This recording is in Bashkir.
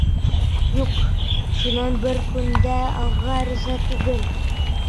Юҡ, шунан бер көн дә алға риза түгел.